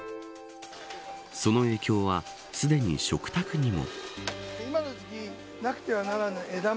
その影響は、すでに食卓にも。